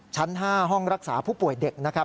ชั้น๕ห้องรักษาผู้ป่วยเด็กนะครับ